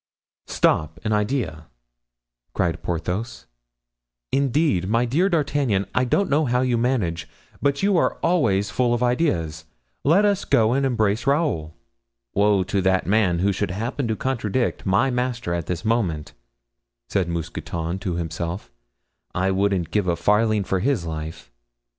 "Stop—an idea!" cried Porthos; "indeed, my dear D'Artagnan, I don't know how you manage, but you are always full of ideas; let us go and embrace Raoul." "Woe to that man who should happen to contradict my master at this moment," said Mousqueton to himself; "I wouldn't give a farthing for his life."